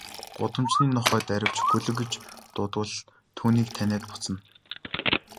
Гудамжны нохой дайравч, гөлөг гэж дуудвал түүнийг таниад буцна.